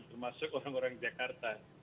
termasuk orang orang jakarta